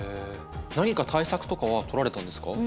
何か対策とかは取られたんですか？